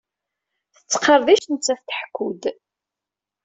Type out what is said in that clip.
Tettqerdic netta-t tḥekku-d